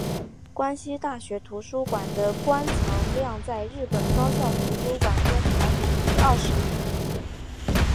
关西大学图书馆的馆藏量在日本高校图书馆中排名第二十一。